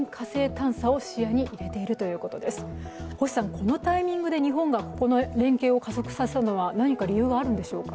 このタイミングで日本がここの連携を加速させたのは何か理由はあるんでしょうか？